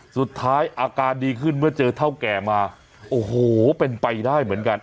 อาการดีขึ้นเมื่อเจอเท่าแก่มาโอ้โหเป็นไปได้เหมือนกัน